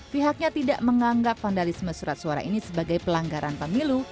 pihaknya tidak menganggap vandalisme surat suara ini sebagai pelanggaran pemilu